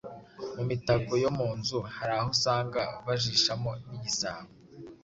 Mu mitako yo mu nzu hari aho usanga bajishamo n’igisabo.